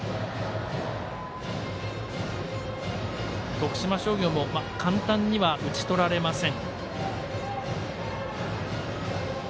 徳島商業も簡単には打ち取られません。